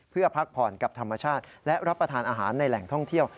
เพื่อพักผ่อนกับธรรมชาติและรับประทานอาหารในแหล่งท่องเที่ยว